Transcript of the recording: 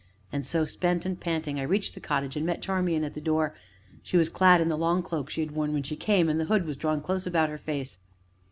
And so, spent and panting, I reached the cottage, and met Charmian at the door. She was clad in the long cloak she had worn when she came, and the hood was drawn close about her face.